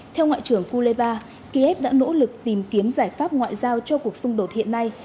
theo ngoại trưởng kuleva kiev đã nỗ lực tìm kiếm giải pháp ngoại giao cho cuộc xung đột hiện nay